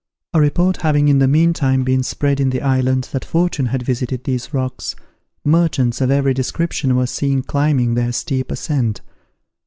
A report having in the meantime been spread in the island that fortune had visited these rocks, merchants of every description were seen climbing their steep ascent.